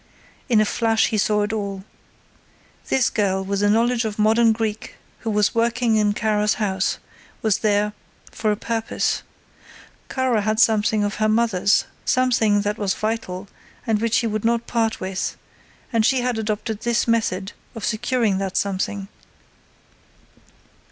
In a flash he saw it all. This girl with a knowledge of modern Greek, who was working in Kara's house, was there for a purpose. Kara had something of her mother's, something that was vital and which he would not part with, and she had adopted this method of securing that some thing.